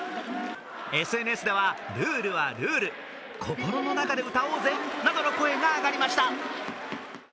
ＳＮＳではルールはルール、心の中で歌おうぜなどの声が上がりました。